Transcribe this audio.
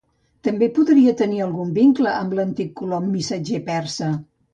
També podria tenir algun vincle amb l'antic colom missatger persa.